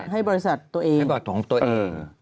ให้บริษัทของตัวเอง